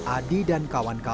adi dan kawan kawan